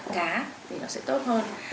cá thì nó sẽ tốt hơn